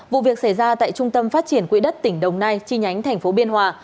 vụ việc xảy ra tại trung tâm phát triển quỹ đất tỉnh đồng nai chi nhánh tp biên hòa